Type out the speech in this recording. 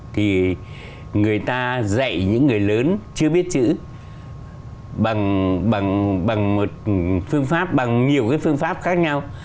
thì người ta dạy những người lớn chưa biết chữ bằng một phương pháp bằng nhiều cái phương pháp khác nhau